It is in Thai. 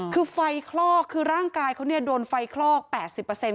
คือไฟคลอกคือร่างกายเขาเนี่ยโดนไฟคลอกแปดสิบเปอร์เซ็นต์